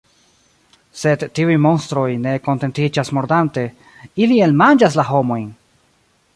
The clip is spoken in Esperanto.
Sed tiuj monstroj ne kontentiĝas mordante, ili elmanĝas la homojn!